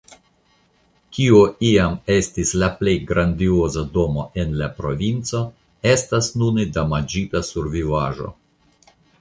Kio iam estis la plej grandioza domo en la provinco estas nune damaĝita survivaĵo.